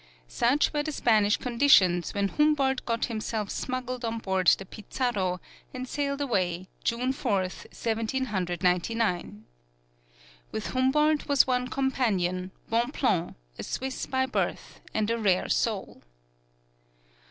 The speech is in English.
Such were the Spanish conditions when Humboldt got himself smuggled on board the "Pizarro," and sailed away, June Fourth, Seventeen Hundred Ninety nine. With Humboldt was one companion, Bonpland, a Swiss by birth, and a rare soul.